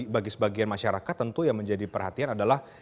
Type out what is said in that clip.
bagi sebagian masyarakat tentu yang menjadi perhatian adalah